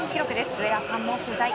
上田さんも取材。